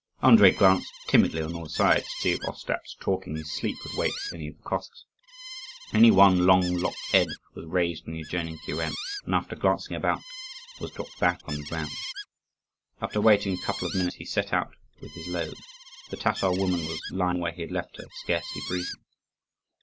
Andrii glanced timidly on all sides to see if Ostap's talking in his sleep had waked any of the Cossacks. Only one long locked head was raised in the adjoining kuren, and after glancing about, was dropped back on the ground. After waiting a couple of minutes he set out with his load. The Tatar woman was lying where he had left her, scarcely breathing.